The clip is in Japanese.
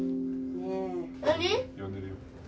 呼んでるよ。